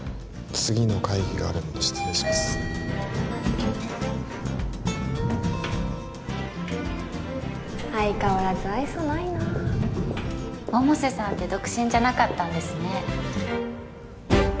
次の会議があるので失礼します相変わらず愛想ないな百瀬さんって独身じゃなかったんですね